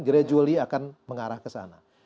gradually akan mengarah ke sana